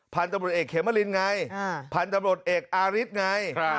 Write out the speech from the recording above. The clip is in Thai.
พันธบริตเอกเขมรินไงพันธบริตเอกอาริสไง